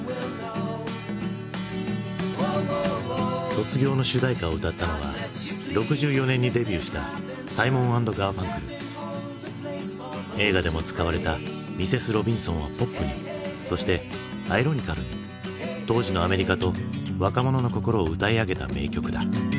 「卒業」の主題歌を歌ったのは６４年にデビューした映画でも使われた「ミセス・ロビンソン」はポップにそしてアイロニカルに当時のアメリカと若者の心を歌い上げた名曲だ。